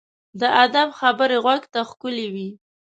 د ادب خبرې غوږ ته ښکلي وي.